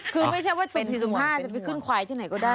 คือไม่ใช่ว่าสุดที่จะมีผ้าจะไปขึ้นควายที่ไหนก็ได้